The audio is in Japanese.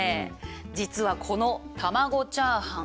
実はこの卵チャーハン